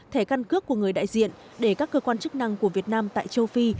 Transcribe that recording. thẻ căn cước của người đại diện để các cơ quan chức năng của việt nam tại châu phi